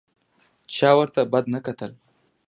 چا ورته بد نه کتل.